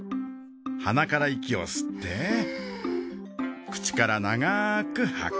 鼻から息を吸って口から長くはく。